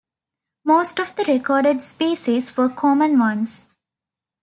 Most of the recorded species were common ones.